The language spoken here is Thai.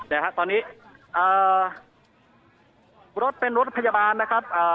แต่ครับตอนนี้เอ่อรถเป็นรถพยาบาลนะครับเอ่อ